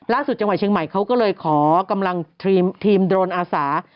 จังหวัดเชียงใหม่เขาก็เลยขอกำลังทีมโดรนอาสา